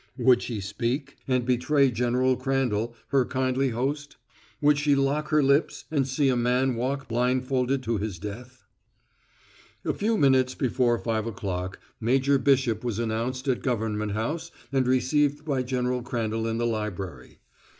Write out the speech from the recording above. Would she speak and betray General Crandall, her kindly host? Would she lock her lips and see a man walk blindfolded to his death? A few minutes before five o'clock, Major Bishop was announced at Government House and received by General Crandall in the library.